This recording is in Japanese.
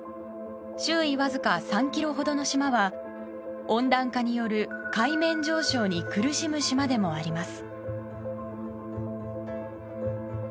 周囲わずか３ｋｍほどの島は温暖化による海面上昇に苦しむ島でもあります。